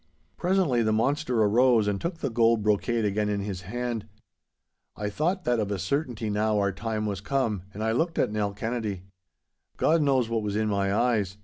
Presently the monster arose and took the gold brocade again in his hand. I thought that of a certainty now our time was come, and I looked at Nell Kennedy. God knows what was in my eyes.